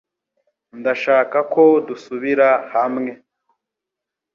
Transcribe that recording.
Ndashaka ko dusubira hamwe